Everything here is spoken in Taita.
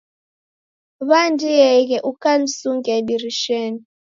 Wandieghe ukasungia idirishenyi.